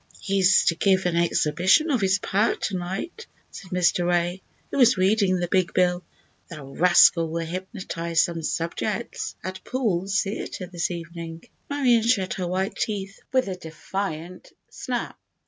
"He is to give an exhibition of his power to night," said Mr. Ray, who was reading the big bill. "The rascal will hypnotize some 'subjects' at Poole's Theatre this evening." Marion shut her white teeth with a defiant snap.